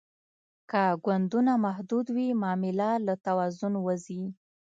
که ګوندونه محدود وي معامله له توازن وځي